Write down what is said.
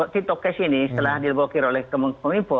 tiktok cash ini setelah di blokir oleh kominfo